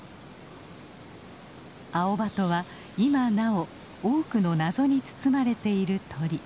アオバトは今なお多くの謎に包まれている鳥。